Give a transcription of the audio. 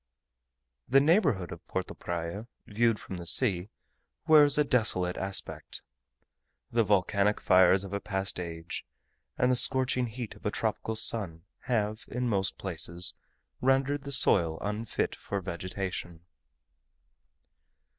The neighbourhood of Porto Praya, viewed from the sea, wears a desolate aspect. The volcanic fires of a past age, and the scorching heat of a tropical sun, have in most places rendered the soil unfit for vegetation.